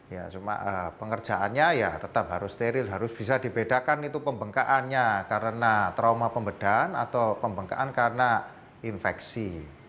ya cuma pengerjaannya ya tetap harus steril harus bisa dibedakan itu pembengkaannya karena trauma pembedahan atau pembengkakan karena infeksi